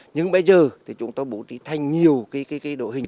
nhưng bây giờ thì chúng tôi bố trí thành nhiều cái đội hình